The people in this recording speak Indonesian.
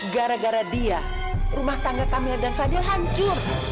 gara gara dia rumah tangga kamil dan fadil hancur